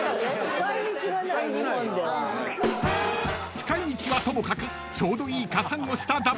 ［使い道はともかくちょうどいい加算をした魂チーム］